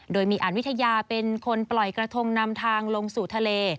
โดยมีอ่านวิทยาเป็นคนปล่อยกระทงนำทางลงสู่ทะเล